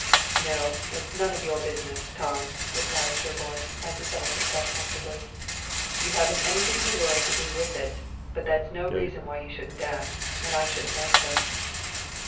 "No, it's none of your business, Tom," replied Sherburne, as he settled himself comfortably, "you haven't anything in the world to do with it, but that's no reason why you shouldn't ask and I shouldn't answer."